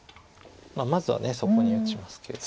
まずはそこに打ちますけど。